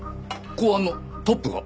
公安のトップが？